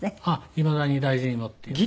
いまだに大事に持っています。